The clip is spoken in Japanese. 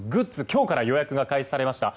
今日から予約が開始されました。